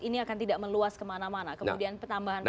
ini akan tidak meluas kemana mana kemudian penambahan masalah yang lainnya